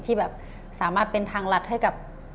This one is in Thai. ที่แบบสามารถเป็นทางรัฐให้กับ